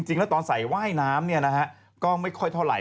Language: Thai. จริงแล้วตอนใส่ว่ายน้ำก็ไม่ค่อยเท่าไหร